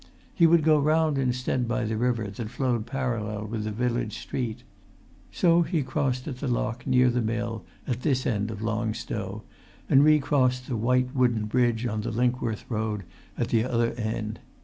He would go round instead by the river that flowed parallel with the village street. So he crossed at the lock near the mill at this end of Long Stow, and recrossed by the white wood bridge on the Linkworth road at the other end.